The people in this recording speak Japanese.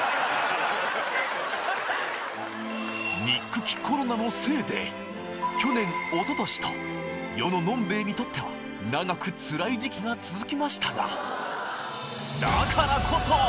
にっくきコロナのせいで去年おととしと世の飲兵衛にとっては長くつらい時期が続きましたがだからこそ！